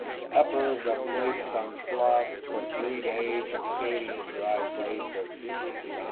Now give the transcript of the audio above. Peppers are placed on cloths for three days in shady and dry places.